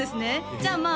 じゃあまあ